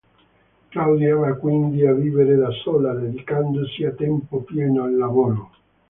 Claudia va quindi a vivere da sola, dedicandosi a tempo pieno al lavoro.